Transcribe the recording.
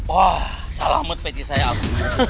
wah salamut beci saya aku